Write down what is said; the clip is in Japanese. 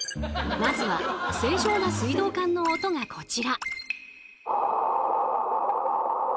まずは正常な水道管の音がこちら。